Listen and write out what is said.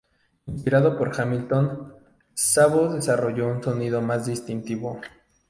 Inspirado por Hamilton, Szabo desarrolló un sonido más distintivo.